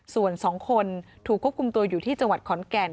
ส่วน๒คนถูกควบคุมตัวอยู่ที่จังหวัดขอนแก่น